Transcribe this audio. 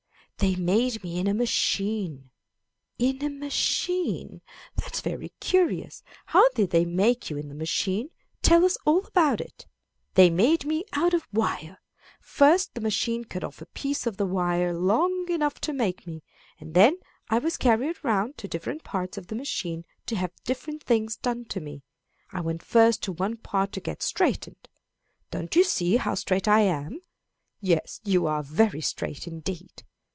They made me in a machine. In a machine? That's very curious! How did they make you in the machine? Tell us all about it! They made me out of wire. First the machine cut off a piece of the wire long enough to make me, and then I was carried around to different parts of the machine to have different things done to me. I went first to one part to get straightened. Don't you see how straight I am? Yes, you are very straight indeed.